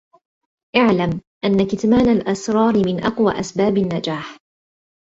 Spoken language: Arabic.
اعْلَمْ أَنَّ كِتْمَانَ الْأَسْرَارِ مِنْ أَقْوَى أَسْبَابِ النَّجَاحِ